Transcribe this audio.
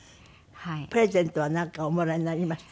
プレゼントは何かおもらいになりました？